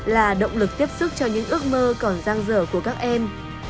là động lực tiếp sức cho những ước mơ còn giang dở của các em